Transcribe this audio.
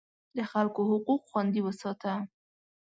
د خلکو حقوق خوندي وساته.